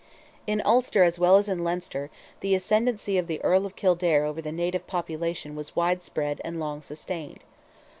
In Ulster as well as in Leinster, the ascendency of the Earl of Kildare over the native population was widespread and long sustained.